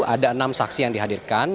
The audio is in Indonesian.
ada enam saksi yang dihadirkan